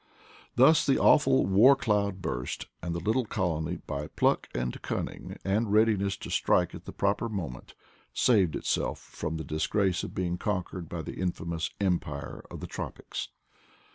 Thus the awful war cloud burst, and the little colony, by pluck and cunning and readiness to strike at the proper moment, saved itself from the disgrace of being conquered by the infamous Empire of the tropics.